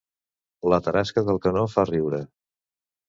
La tarasca d'Alcanó fa riure